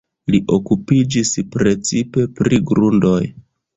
Li okupiĝis precipe pri grundoj.